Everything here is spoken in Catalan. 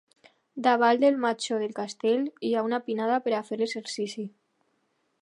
Davall del matxo del castell hi ha una pinada per a fer exercici.